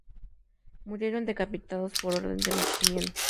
Murieron decapitados por orden de Maximiano.